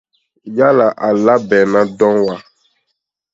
Yala a labɛnnen don wa?